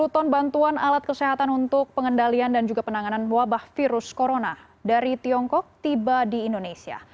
sepuluh ton bantuan alat kesehatan untuk pengendalian dan juga penanganan wabah virus corona dari tiongkok tiba di indonesia